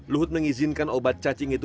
luhut mengizinkan obat cacing itu